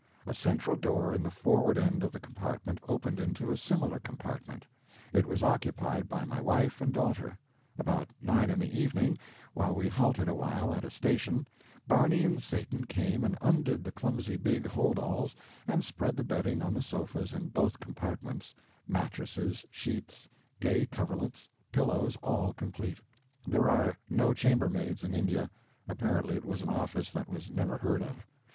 A central door in the forward end of the compartment opened into a similar compartment. It was occupied by my wife and daughter. About nine in the evening, while we halted a while at a station, Barney and Satan came and undid the clumsy big hold alls, and spread the bedding on the sofas in both compartments mattresses, sheets, gay coverlets, pillows, all complete; there are no chambermaids in India apparently it was an office that was never heard of.